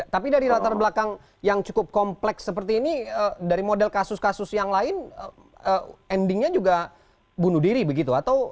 tapi dari latar belakang yang cukup kompleks seperti ini dari model kasus kasus yang lain endingnya juga bunuh diri begitu